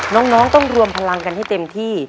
น้องต้องรวมพลังกันให้เต็มที่